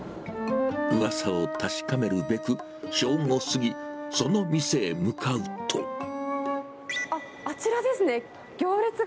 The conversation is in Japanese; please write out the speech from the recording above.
うわさを確かめるべく、あっ、あちらですね。